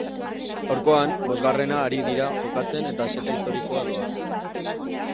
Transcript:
Gaurkoan bosgarrena ari dira jokatzen eta seta historikoa doa.